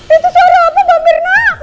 itu suara apa mba mirna